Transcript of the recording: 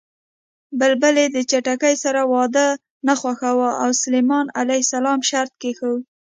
بلبلې د چتکي سره واده نه خوښاوه او سلیمان ع شرط کېښود